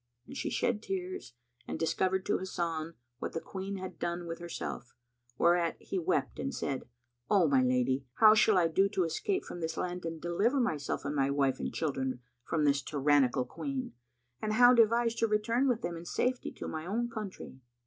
And she shed tears and discovered to Hasan what the Queen had done with herself, whereat he wept and said, "O my lady, how shall I do to escape from this land and deliver myself and my wife and children from this tyrannical Queen and how devise to return with them in safety to my own country?"